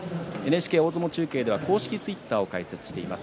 大相撲中継では公式ツイッターを開設しています。